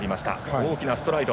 大きなストライド。